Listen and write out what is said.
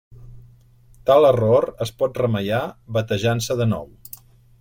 Tal error es pot remeiar batejant-se de nou.